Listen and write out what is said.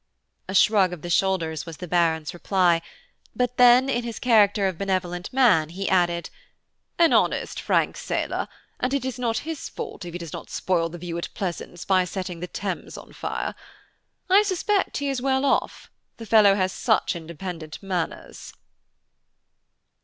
A shrug of the shoulders was the Baron's reply; but then, in his character of benevolent man, he added, "an honest, frank sailor, and it is not his fault if he does not spoil the view at Pleasance by setting the Thames on fire. I suspect he is well off, the fellow has such independent 'manners.'"